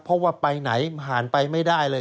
เพราะว่าไปไหนผ่านไปไม่ได้เลย